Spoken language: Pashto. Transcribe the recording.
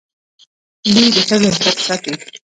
دوی د ښځو حقوق ساتي.